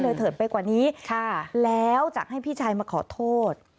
เถิดไปกว่านี้ค่ะแล้วจากให้พี่ชายมาขอโทษ